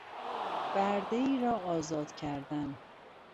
بردهای را آزاد کردن